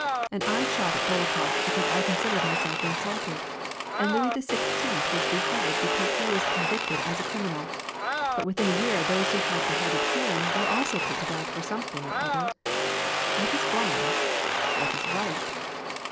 And I shot at Dolokhof because I considered myself insulted, and Louis XYI. was beheaded because he was convicted as a criminal; but within a year those who had beheaded him were also put to death for something or other. What is wrong ? What is right